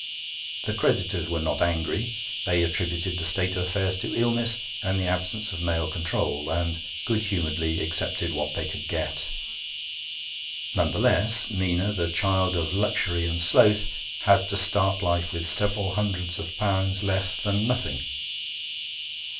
The creditors were not angry; they attributed the state of affairs to illness and the absence of male control, and good humouredly accepted what they could get. None the less, Nina, the child of luxury and sloth, had to start life with several hundreds of pounds less than nothing.